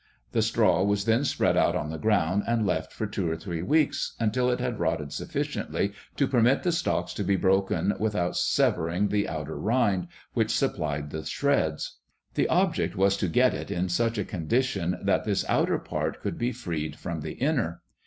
The straw was then spread out on the ground and left for two or three weeks, until it had rotted sufficiently to permit the stalks to be broken without severing the outer rind, which supplied the shreds. The object was to get it in such a condition that this outer part could be freed from the inner.